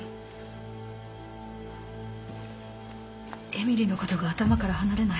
えみりのことが頭から離れない。